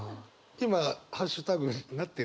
今ハッシュタグなってるよ。